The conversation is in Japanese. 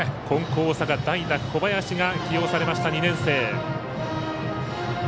金光大阪、代打、小林が起用されました、２年生。